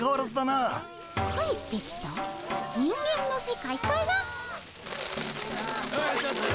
人間の世界から？